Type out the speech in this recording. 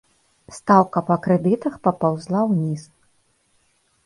Стаўка па крэдытах папаўзла ўніз.